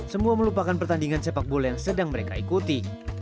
semua melupakan pertandingan sepak bola yang sedang mereka ikuti